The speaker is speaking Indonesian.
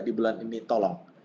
di bulan ini tolong